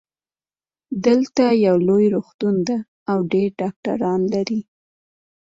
دلته یو لوی روغتون ده او ډېر ډاکټران لری